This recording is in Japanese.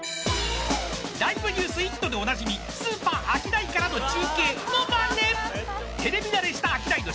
［『ＬｉｖｅＮｅｗｓイット！』でおなじみスーパーアキダイからの中継のマネ］